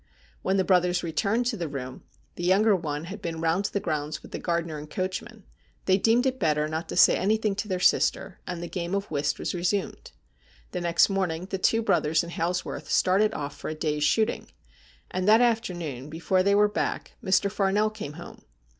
When the brothers returned to the room — the younger one had been round the grounds with the gardener and coachman — they deemed it better not to say anything to their sister, and the game of whist was resumed. The next morning the two brothers and Hailsworth started off for a day's shooting, and that afternoon, before they were back, Mr. Farnell came home.